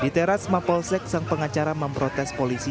di teras mapolsek sang pengacara memprotes polisi